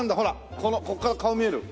このここから顔見える！